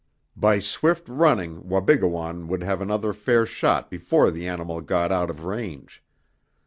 By swift running Wabigoon would have another fair shot before the animal got out of range.